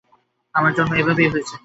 আমার জন্ম এভাবেই হয়েছে।